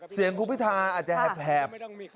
เสียงคุพิธาอาจจะแหบแหบ